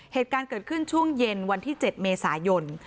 เหตุการณ์เกิดขึ้นช่วงเย็นวันที่๗เมษายน